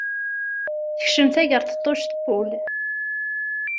Tekcem tageṛṭeṭṭuct n wul-iw.